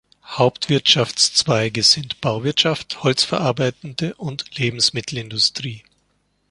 Hauptwirtschaftszweige sind Bauwirtschaft, holzverarbeitende und Lebensmittelindustrie.